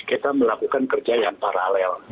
jadi kita melakukan kerja yang paralel